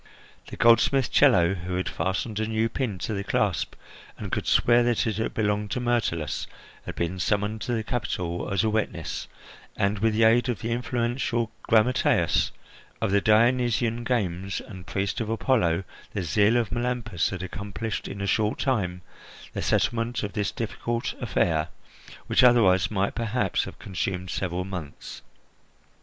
The goldsmith Chello, who had fastened a new pin to the clasp, and could swear that it had belonged to Myrtilus, had been summoned to the capital as a witness, and, with the aid of the influential grammateus of the Dionysian games and priest of Apollo, the zeal of Melampus had accomplished in a short time the settlement of this difficult affair, which otherwise might perhaps have consumed several months.